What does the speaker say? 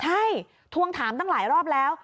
ใช่ทวงถามตั้งหลายรอบแล้ว